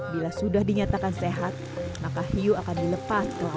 bila sudah dinyatakan sehat maka hiu akan dilepas ke laut